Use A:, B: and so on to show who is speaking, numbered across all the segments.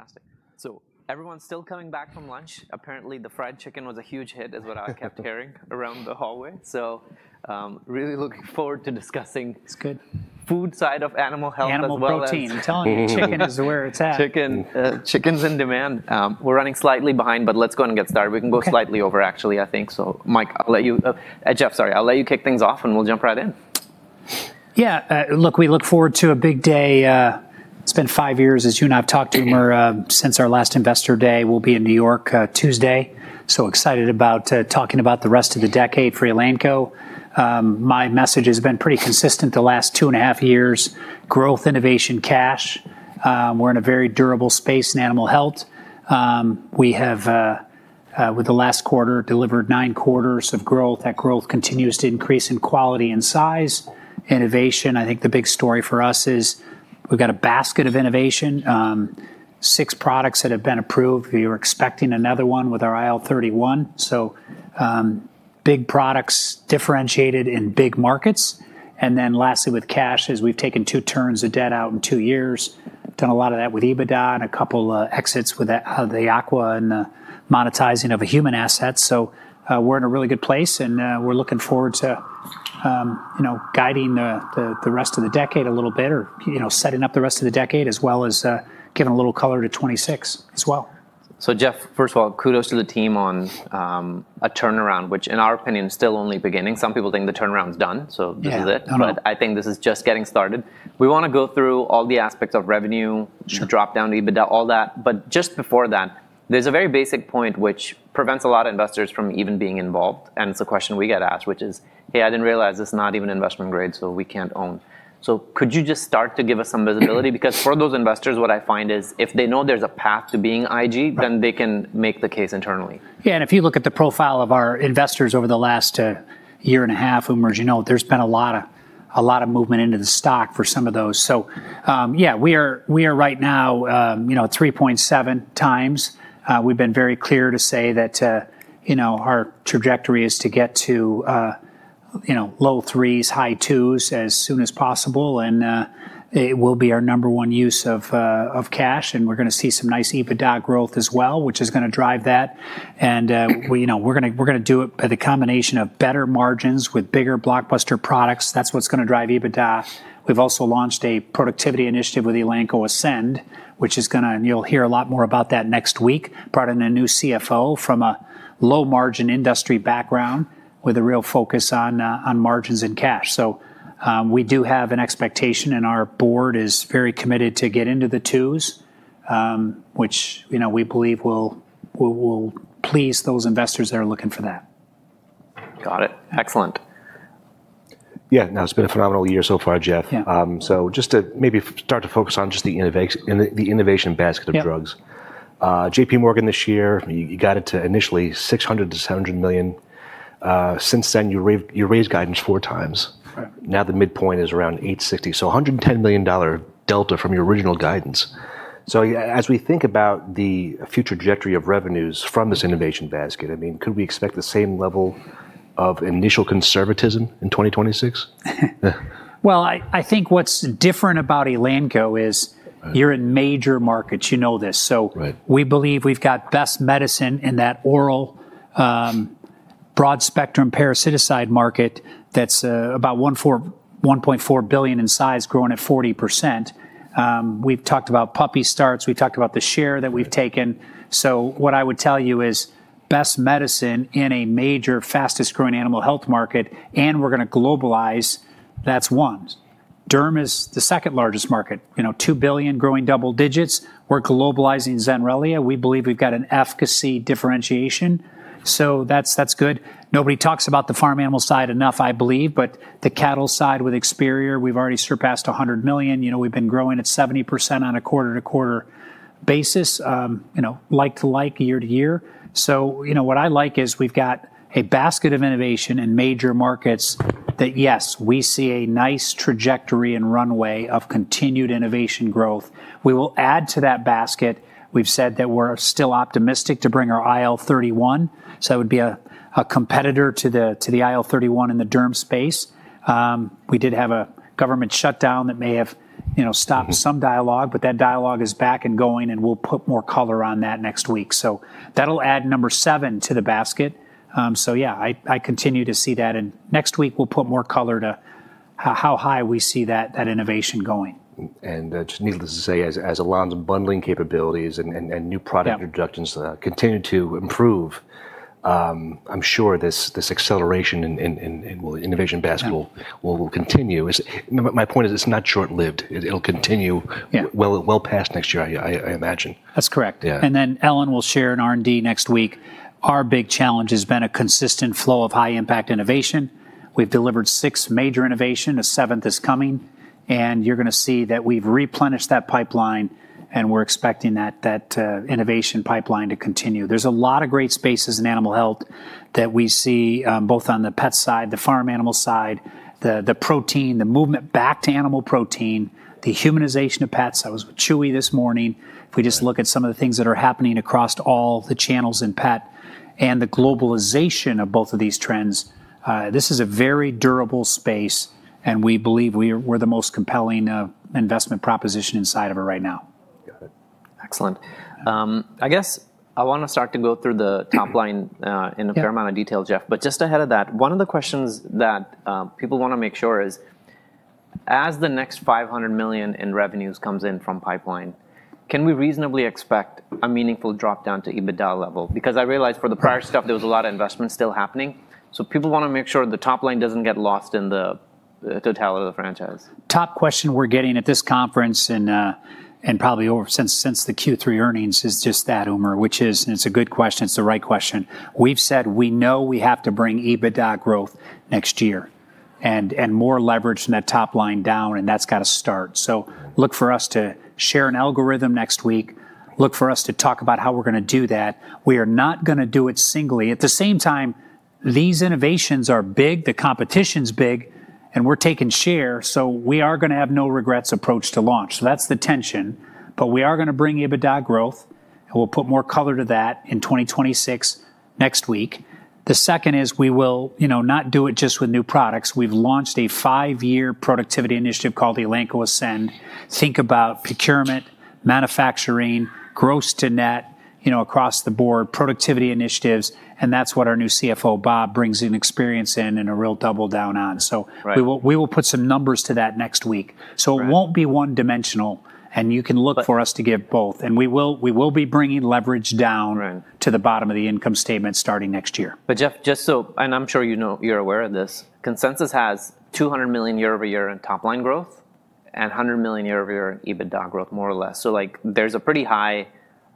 A: Fantastic. So everyone's still coming back from lunch. Apparently, the fried chicken was a huge hit, is what I kept hearing around the hallway. So really looking forward to discussing.
B: It's good.
A: Food side of animal health as well.
B: Animal protein. We're telling you, chicken is where it's at.
A: Chicken's in demand. We're running slightly behind, but let's go ahead and get started. We can go slightly over, actually, I think. So Mike, I'll let you, Jeff Simmons, sorry. I'll let you kick things off, and we'll jump right in.
B: Yeah. Look, we look forward to a big day. It's been five years, as you and I have talked to him, since our last investor day. We'll be in New York Tuesday, so excited about talking about the rest of the decade for Elanco. My message has been pretty consistent the last two and a half years: growth, innovation, cash. We're in a very durable space in animal health. We have, with the last quarter, delivered nine quarters of growth. That growth continues to increase in quality and size. Innovation, I think the big story for us is we've got a basket of innovation, six products that have been approved. We were expecting another one with our IL-31, so big products differentiated in big markets. And then lastly, with cash, as we've taken two turns of debt out in two years, done a lot of that with EBITDA and a couple of exits with the Aqua and the monetizing of a human asset. So we're in a really good place, and we're looking forward to guiding the rest of the decade a little bit, or setting up the rest of the decade, as well as giving a little color to 2026 as well.
A: So Jeff, first of all, kudos to the team on a turnaround, which, in our opinion, is still only beginning. Some people think the turnaround's done, so this is it.
B: Yeah, not all.
A: But I think this is just getting started. We want to go through all the aspects of revenue, dropdown, EBITDA, all that. But just before that, there's a very basic point which prevents a lot of investors from even being involved. And it's a question we get asked, which is, "Hey, I didn't realize this is not even investment grade, so we can't own." So could you just start to give us some visibility? Because for those investors, what I find is if they know there's a path to being IG, then they can make the case internally.
B: Yeah. And if you look at the profile of our investors over the last year and a half, Umar, as you know, there's been a lot of movement into the stock for some of those. So yeah, we are right now at 3.7 times. We've been very clear to say that our trajectory is to get to low threes, high twos as soon as possible. And it will be our number one use of cash. And we're going to see some nice EBITDA growth as well, which is going to drive that. And we're going to do it by the combination of better margins with bigger blockbuster products. That's what's going to drive EBITDA. We've also launched a productivity initiative with Elanco Ascend, which is going to (and you'll hear a lot more about that next week) brought in a new CFO from a low-margin industry background with a real focus on margins and cash. So we do have an expectation, and our board is very committed to get into the twos, which we believe will please those investors that are looking for that.
A: Got it. Excellent. Yeah. Now, it's been a phenomenal year so far, Jeff. So just to maybe start to focus on just the innovation basket of drugs. J.P. Morgan this year, you got it to initially $600 million to $700 million. Since then, you raised guidance four times. Now the midpoint is around $860 million. So $110 million delta from your original guidance. So as we think about the future trajectory of revenues from this innovation basket, I mean, could we expect the same level of initial conservatism in 2026?
B: I think what's different about Elanco is you're in major markets. You know this. So we believe we've got best medicine in that oral broad-spectrum parasiticide market that's about $1.4 billion in size, growing at 40%. We've talked about puppy starts. We talked about the share that we've taken. So what I would tell you is best medicine in a major, fastest-growing animal health market, and we're going to globalize. That's one. Derm is the second largest market, $2 billion, growing double digits. We're globalizing Zenrelia. We believe we've got an efficacy differentiation. So that's good. Nobody talks about the farm animal side enough, I believe. But the cattle side with Experior, we've already surpassed $100 million. We've been growing at 70% on a quarter-to-quarter basis, like to like, year to year. So what I like is we've got a basket of innovation in major markets that, yes, we see a nice trajectory and runway of continued innovation growth. We will add to that basket. We've said that we're still optimistic to bring our IL-31. So that would be a competitor to the IL-31 in the Derm space. We did have a government shutdown that may have stopped some dialogue, but that dialogue is back and going, and we'll put more color on that next week. So that'll add number seven to the basket. So yeah, I continue to see that. And next week, we'll put more color to how high we see that innovation going. And just needless to say, as Elanco's bundling capabilities and new product introductions continue to improve, I'm sure this acceleration in the innovation basket will continue. My point is it's not short-lived. It'll continue well past next year, I imagine. That's correct, and then Ellen will share in R&D next week. Our big challenge has been a consistent flow of high-impact innovation. We've delivered six major innovations. A seventh is coming, and you're going to see that we've replenished that pipeline, and we're expecting that innovation pipeline to continue. There's a lot of great spaces in animal health that we see, both on the pet side, the farm animal side, the protein, the movement back to animal protein, the humanization of pets. I was with Chewy this morning. If we just look at some of the things that are happening across all the channels in pet and the globalization of both of these trends, this is a very durable space, and we believe we're the most compelling investment proposition inside of it right now.
A: Got it. Excellent. I guess I want to start to go through the top line in a fair amount of detail, Jeff. But just ahead of that, one of the questions that people want to make sure is, as the next $500 million in revenues comes in from pipeline, can we reasonably expect a meaningful dropdown to EBITDA level? Because I realized for the prior stuff, there was a lot of investment still happening. So people want to make sure the top line doesn't get lost in the totality of the franchise.
B: Top question we're getting at this conference and probably since the Q3 earnings is just that, Umar, which is, and it's a good question. It's the right question. We've said we know we have to bring EBITDA growth next year and more leverage in that top line down, and that's got to start. So look for us to share an algorithm next week. Look for us to talk about how we're going to do that. We are not going to do it singly. At the same time, these innovations are big. The competition's big, and we're taking share. So we are going to have no-regrets approach to launch. So that's the tension. But we are going to bring EBITDA growth, and we'll put more color to that in 2026 next week. The second is we will not do it just with new products. We've launched a five-year productivity initiative called Elanco Ascend. Think about procurement, manufacturing, gross to net across the board, productivity initiatives. And that's what our new CFO, Bob, brings in experience in and a real double down on. So we will put some numbers to that next week. So it won't be one-dimensional, and you can look for us to give both. And we will be bringing leverage down to the bottom of the income statement starting next year.
A: But Jeff, just so, and I'm sure you know you're aware of this. Consensus has $200 million year-over-year in top line growth and $100 million year-over-year in EBITDA growth, more or less. So there's a pretty high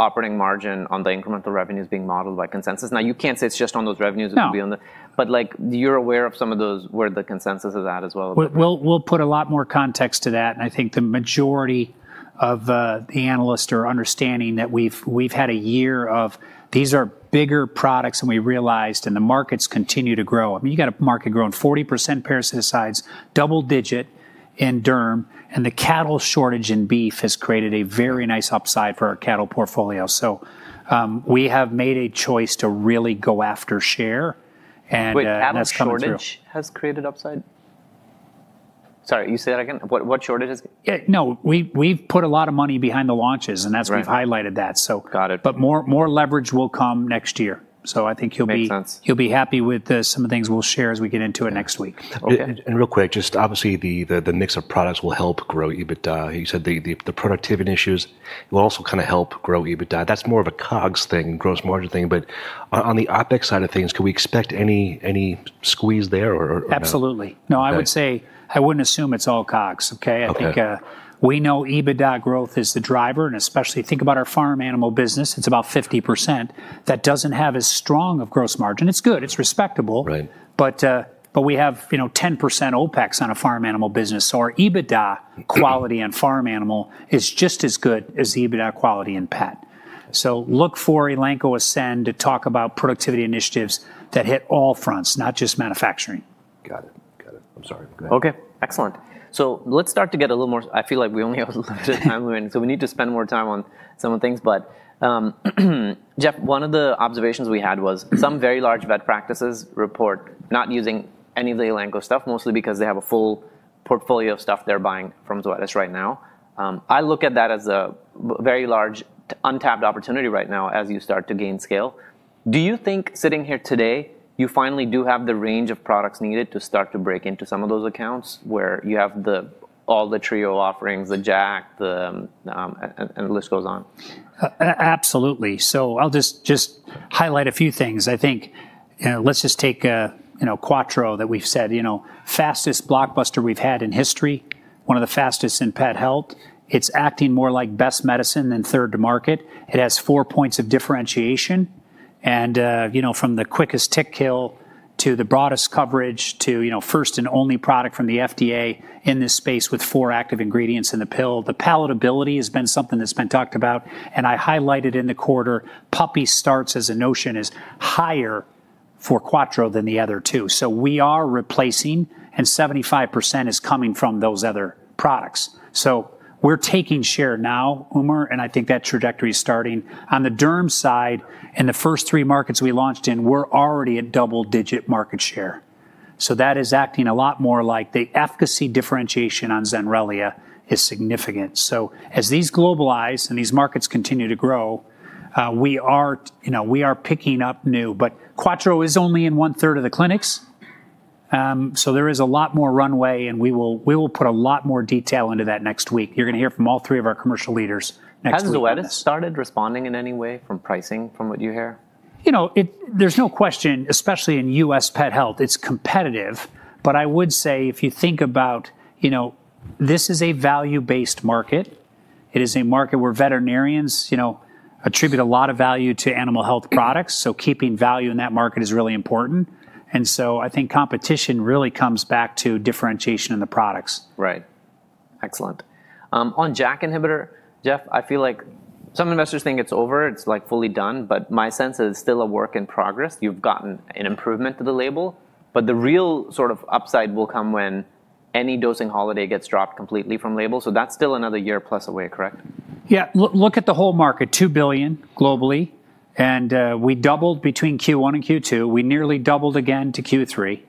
A: operating margin on the incremental revenues being modeled by Consensus. Now, you can't say it's just on those revenues that will be on the...
B: No.
A: But you're aware of some of those where the consensus is at as well?
B: We'll put a lot more context to that. And I think the majority of the analysts are understanding that we've had a year of these are bigger products than we realized, and the markets continue to grow. I mean, you've got a market growing 40% parasiticides, double-digit in Derm, and the cattle shortage in beef has created a very nice upside for our cattle portfolio. So we have made a choice to really go after share.
A: Wait, cattle shortage has created upside? Sorry, you say that again? What shortage has...
B: Yeah. No, we've put a lot of money behind the launches, and that's why we've highlighted that.
A: Got it.
B: But more leverage will come next year. So I think you'll be happy with some of the things we'll share as we get into it next week. And real quick, just obviously the mix of products will help grow EBITDA. You said the productivity issues will also kind of help grow EBITDA. That's more of a COGS thing, gross margin thing. But on the OpEx side of things, can we expect any squeeze there or... Absolutely. No, I would say I wouldn't assume it's all COGS. Okay? I think we know EBITDA growth is the driver, and especially think about our farm animal business. It's about 50%. That doesn't have as strong of gross margin. It's good. It's respectable. But we have 10% OpEx on a farm animal business. So our EBITDA quality on farm animal is just as good as EBITDA quality in pet. So look for Elanco Ascend to talk about productivity initiatives that hit all fronts, not just manufacturing. Got it. Got it. I'm sorry. Go ahead.
A: Okay. Excellent. So let's start to get a little more... I feel like we only have a little bit of time left. So we need to spend more time on some of the things. But Jeff, one of the observations we had was some very large vet practices report not using any of the Elanco stuff, mostly because they have a full portfolio of stuff they're buying from Zoetis right now. I look at that as a very large untapped opportunity right now as you start to gain scale. Do you think sitting here today, you finally do have the range of products needed to start to break into some of those accounts where you have all the trio offerings, the JAK, and the list goes on?
B: Absolutely. So I'll just highlight a few things. I think let's just take Quattro that we've said, fastest blockbuster we've had in history, one of the fastest in pet health. It's acting more like best medicine than third to market. It has four points of differentiation. And from the quickest tick kill to the broadest coverage to first and only product from the FDA in this space with four active ingredients in the pill, the palatability has been something that's been talked about. And I highlighted in the quarter, puppy starts as a notion is higher for Quattro than the other two. So we are replacing, and 75% is coming from those other products. So we're taking share now, Umar, and I think that trajectory is starting. On the Derm side, in the first three markets we launched in, we're already at double-digit market share. So, that is acting a lot more like the efficacy differentiation on Zenrelia is significant. So as these globalize and these markets continue to grow, we are picking up new. But Quattro is only in one-third of the clinics. So there is a lot more runway, and we will put a lot more detail into that next week. You're going to hear from all three of our commercial leaders next week.
A: Has Zoetis started responding in any way from pricing, from what you hear?
B: There's no question, especially in U.S. pet health, it's competitive. But I would say if you think about this is a value-based market. It is a market where veterinarians attribute a lot of value to animal health products. So keeping value in that market is really important. And so I think competition really comes back to differentiation in the products.
A: Right. Excellent. On JAK inhibitor, Jeff, I feel like some investors think it's over. It's fully done. But my sense is it's still a work in progress. You've gotten an improvement to the label. But the real sort of upside will come when any dosing holiday gets dropped completely from label. So that's still another year plus away, correct?
B: Yeah. Look at the whole market, $2 billion globally. And we doubled between Q1 and Q2. We nearly doubled again to Q3.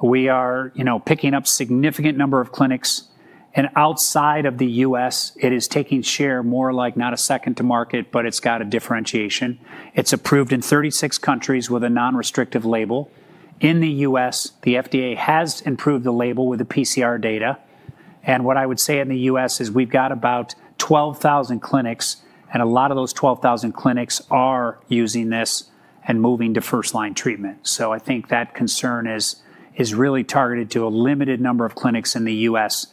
B: We are picking up a significant number of clinics. And outside of the U.S., it is taking share more like not a second to market, but it's got a differentiation. It's approved in 36 countries with a non-restrictive label. In the U.S., the FDA has improved the label with the PCR data. And what I would say in the U.S. is we've got about 12,000 clinics, and a lot of those 12,000 clinics are using this and moving to first-line treatment. So I think that concern is really targeted to a limited number of clinics in the U.S.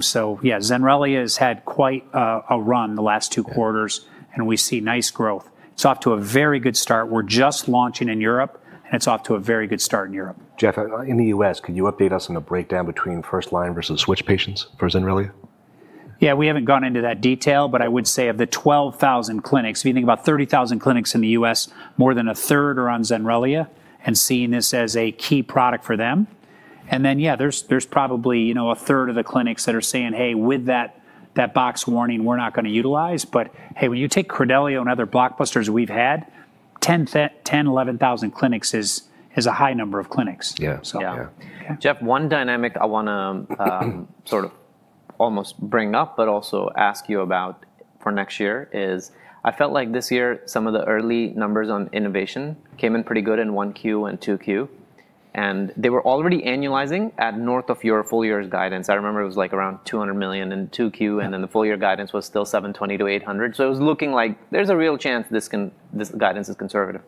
B: So yeah, Zenrelia has had quite a run the last two quarters, and we see nice growth. It's off to a very good start. We're just launching in Europe, and it's off to a very good start in Europe. Jeff, in the U.S., could you update us on the breakdown between first-line versus switch patients for Zenrelia? Yeah, we haven't gone into that detail, but I would say of the 12,000 clinics, if you think about 30,000 clinics in the US, more than a third are on Zenrelia and seeing this as a key product for them. And then yeah, there's probably a third of the clinics that are saying, "Hey, with that box warning, we're not going to utilize." But hey, when you take Credelio and other blockbusters we've had, 10,000, 11,000 clinics is a high number of clinics. Yeah.
A: Jeff, one dynamic I want to sort of almost bring up, but also ask you about for next year is I felt like this year some of the early numbers on innovation came in pretty good in 1Q and 2Q, and they were already annualizing at north of your full-year's guidance. I remember it was like around $200 million in 2Q, and then the full-year guidance was still $720 million to $800 million. So it was looking like there's a real chance this guidance is conservative.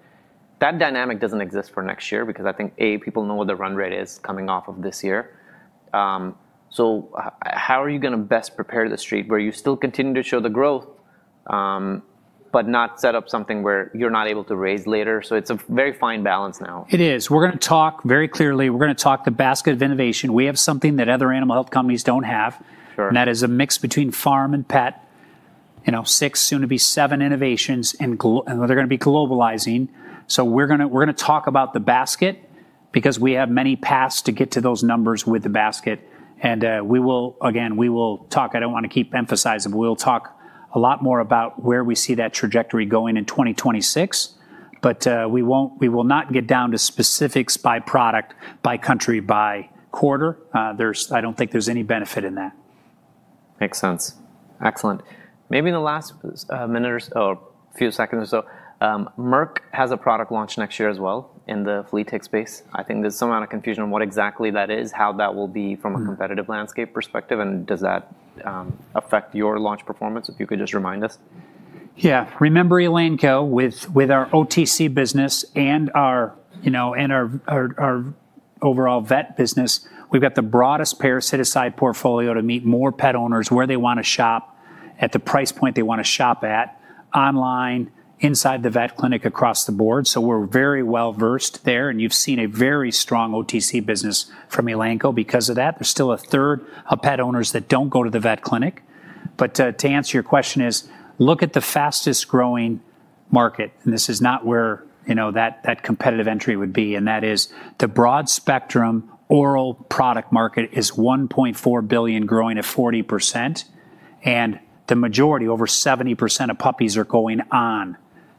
A: That dynamic doesn't exist for next year because I think, A, people know what the run rate is coming off of this year. So how are you going to best prepare the street where you still continue to show the growth, but not set up something where you're not able to raise later? So it's a very fine balance now.
B: It is. We're going to talk very clearly. We're going to talk the basket of innovation. We have something that other animal health companies don't have, and that is a mix between farm and pet, six soon-to-be-seven innovations, and they're going to be globalizing. So we're going to talk about the basket because we have many paths to get to those numbers with the basket. And again, we will talk. I don't want to keep emphasizing, but we'll talk a lot more about where we see that trajectory going in 2026. But we will not get down to specifics by product, by country, by quarter. I don't think there's any benefit in that.
A: Makes sense. Excellent. Maybe in the last minute or a few seconds or so, Merck has a product launch next year as well in the flea tech space. I think there's some amount of confusion on what exactly that is, how that will be from a competitive landscape perspective, and does that affect your launch performance? If you could just remind us.
B: Yeah. Remember Elanco, with our OTC business and our overall vet business, we've got the broadest parasiticide portfolio to meet more pet owners where they want to shop at the price point they want to shop at, online, inside the vet clinic across the board. So we're very well-versed there, and you've seen a very strong OTC business from Elanco because of that. There's still a third of pet owners that don't go to the vet clinic. But to answer your question is, look at the fastest-growing market, and this is not where that competitive entry would be, and that is the broad-spectrum oral product market is $1.4 billion growing at 40%, and the majority, over 70% of puppies are going on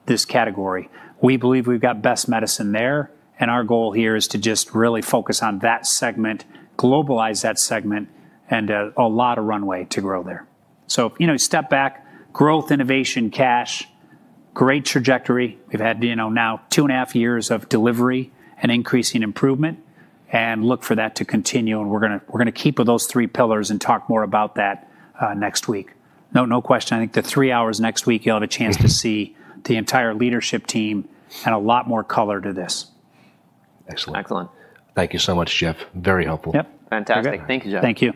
B: this category. We believe we've got best medicine there, and our goal here is to just really focus on that segment, globalize that segment, and a lot of runway to grow there. So step back, growth, innovation, cash, great trajectory. We've had now two and a half years of delivery and increasing improvement, and look for that to continue, and we're going to keep with those three pillars and talk more about that next week. No question. I think the three hours next week, you'll have a chance to see the entire leadership team and a lot more color to this. Excellent.
A: Excellent. Thank you so much, Jeff. Very helpful. Yep. Fantastic. Thank you, Jeff.
B: Thank you.